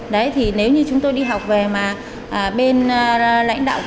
đấy thì nếu như chúng tôi đi học về mà bên lãnh đạo